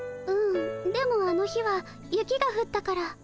うんでもあの日は雪がふったから。